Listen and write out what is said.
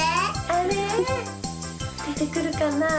あれ？でてくるかな？